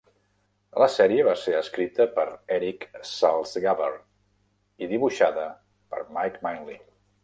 La sèrie va ser escrita per Erik Saltzgaber i dibuixada per Mike Manley.